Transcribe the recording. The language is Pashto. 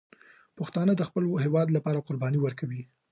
پښتانه د خپل هېواد لپاره قرباني ورکوي.